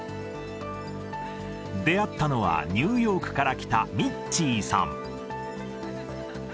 出会ったのは、ニューヨークから来たミッツィーさん。